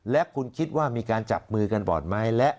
แล้วคุณคิดว่ามีการจับมือกันปลอดภัยแล้ว